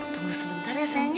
tunggu sebentar ya sayangnya